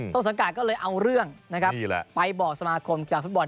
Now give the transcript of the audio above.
ต้นสังกัดก็เลยเอาเรื่องนะครับไปบอกสมาคมกีฬาฟุตบอล